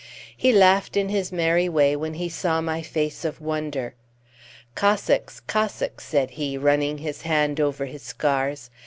He laughed in his merry way when he saw my face of wonder. "Cossacks! Cossacks!" said he, running his hand over his scars.